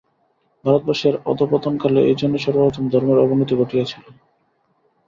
ভারতবর্ষের অধঃপতনকালে এইজন্যই সর্বপ্রথম ধর্মের অবনতি ঘটিয়াছিল।